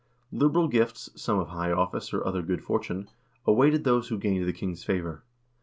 1 Liberal gifts, some high office or other good fortune, awaited those who gained the king's favor.